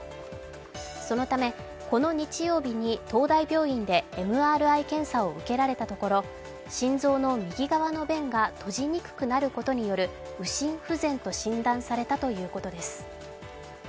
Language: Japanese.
そのためこの日曜日に東大病院でＭＲＩ検査を受けられたところ心臓の右側の弁が閉じにくくなることによる右心不全と診断されたということです。